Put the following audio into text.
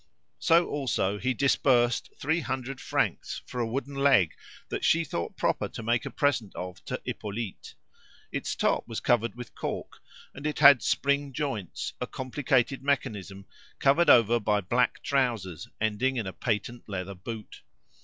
So also he disbursed three hundred francs for a wooden leg that she thought proper to make a present of to Hippolyte. Its top was covered with cork, and it had spring joints, a complicated mechanism, covered over by black trousers ending in a patent leather boot.